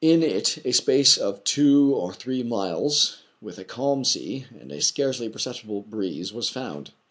In it a space of two or three miles, with a calm sea, and a scarcely perceptible breeze, was found.